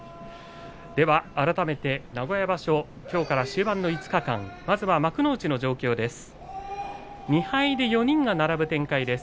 改めて名古屋場所きょうから終盤の５日間幕内の状況です。